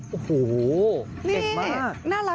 โอ้โหเก่งมาก